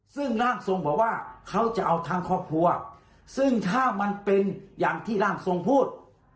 ซึ่งร่างทรงบอกว่าเขาจะเอาทางครอบครัวซึ่งถ้ามันเป็นอย่างที่ร่างทรงพูด